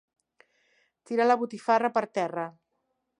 Tirar la botifarra per terra.